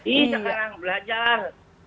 iya sekarang belajar